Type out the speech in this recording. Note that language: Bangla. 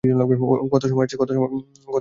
কত সময় আছে?